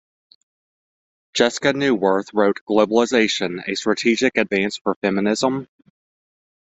Jessica Neuwirth wrote Globalization: A Strategic Advance for Feminism?